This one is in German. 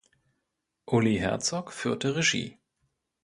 Ulli Herzog führte Regie.